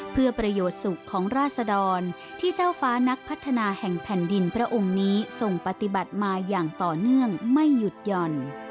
เพื่อประโยชน์สุขของราศดรที่เจ้าฟ้านักพัฒนาแห่งแผ่นดินพระองค์นี้ทรงปฏิบัติมาอย่างต่อเนื่องไม่หยุดหย่อน